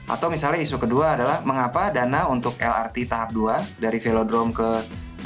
atau misalnya isu kedua adalah mengapa dana untuk lrt tahap dua dari velodrome ke dukwata itu tidak ada